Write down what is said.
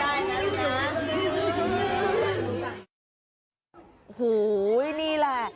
เย็นไปอยู่บ้านตะวันดีเลย